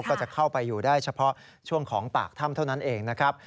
ก็จะเข้าไปอยู่ได้เฉพาะช่วงของปากถ้ำเท่านั้นเองนะครับ